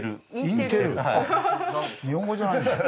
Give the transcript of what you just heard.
日本語じゃないんだ。